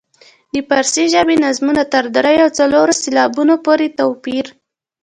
د فارسي ژبې نظمونو تر دریو او څلورو سېلابونو پورې توپیر.